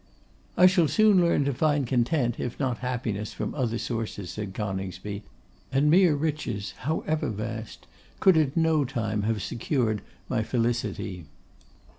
'I shall soon learn to find content, if not happiness, from other sources,' said Coningsby; 'and mere riches, however vast, could at no time have secured my felicity.